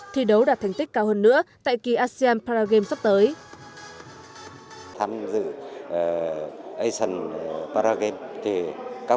thi đấu đạt thành tích cao hơn nữa tại kỳ asean paragame sắp tới